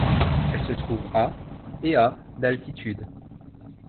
Elle se trouve à et à d'altitude.